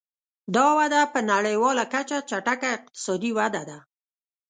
دا وده په نړیواله کچه چټکه اقتصادي وده ده.